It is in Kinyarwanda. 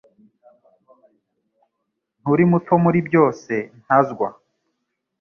Nturi muto muri byose Ntazwa